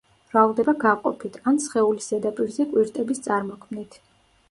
მრავლდება გაყოფით ან სხეულის ზედაპირზე კვირტების წარმოქმნით.